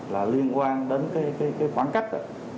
là liên quan đến cái khoảng cách